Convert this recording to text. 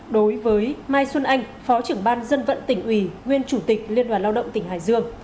đối với mai xuân anh phó trưởng ban dân vận tỉnh ủy nguyên chủ tịch liên đoàn lao động tỉnh hải dương